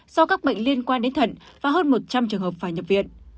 do các bệnh liên quan đến thận và hơn một trăm linh trường hợp phải nhập viện